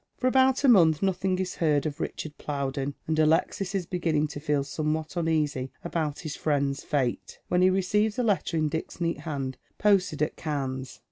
For about a month nothing is heard of Richard Plowden, and Alexis is beginning to feel somewhat uneasy about his friend s fate, when he receives a letter, in Dick's neat hand, posted at Cannes.